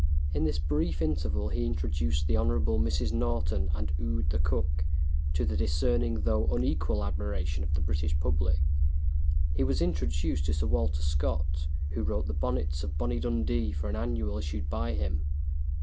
In this brief interval he introduced the Hon. Mrs. Norton, and Ude, the cook, to the discerning though unequal admiration of the British public. He was introduced to Sir Walter Scott, who wrote the "Bonnets of Bonnie Dundee" for an annual issued by him.